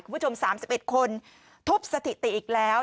คุณผู้ชม๓๑คนทุบสถิติอีกแล้ว